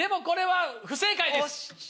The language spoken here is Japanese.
これは不正解です。